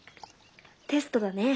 テストだね。